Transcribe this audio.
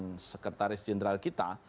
dengan sekretaris jenderal kita